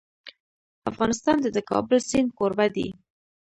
افغانستان د د کابل سیند کوربه دی.